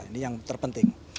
ini yang terpenting